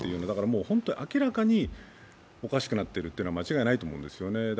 本当に、明らかにおかしくなっているというのは間違いないと思うんですね。